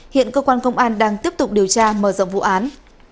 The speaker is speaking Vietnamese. hiện cơ quan công an đang tiếp tục điều tra mở rộng vụ án